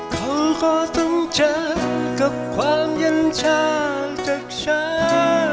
เขาก็ต้องเจอกับความยันชาติจากฉัน